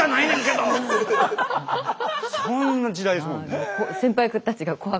そんな時代ですもんね。